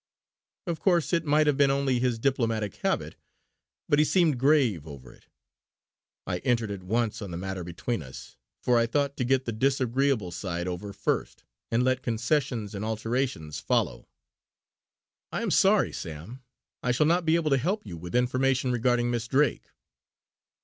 Of course it might have been only his diplomatic habit; but he seemed grave over it. I entered at once on the matter between us, for I thought to get the disagreeable side over first and let concessions and alterations follow: "I am sorry, Sam, I shall not be able to help you with information regarding Miss Drake."